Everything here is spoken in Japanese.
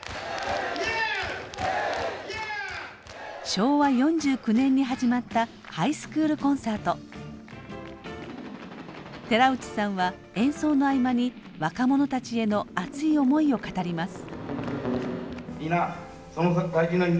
昭和４９年に始まった寺内さんは演奏の合間に若者たちへの熱い思いを語ります。